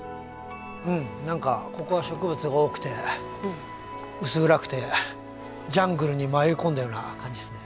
うん何かここは植物が多くて薄暗くてジャングルに迷い込んだような感じですね。